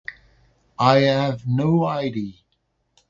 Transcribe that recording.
I have no idea.